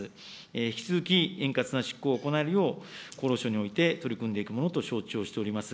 引き続き円滑な執行を行えるよう厚労省において取り組んでいくものと承知をしております。